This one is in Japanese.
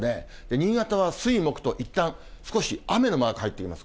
新潟は、水、木といったん少し、雨のマーク入ってきます。